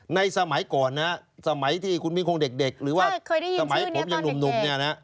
สมัยก่อนนะสมัยที่คุณมิ่งคงเด็กหรือว่าสมัยผมยังหนุ่มเนี่ยนะ